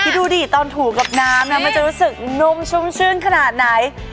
ดูดิตอนถูกับน้ำนะมันจะรู้สึกนุ่มชุ่มชื่นขนาดไหน